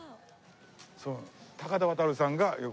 高田渡さんがよく。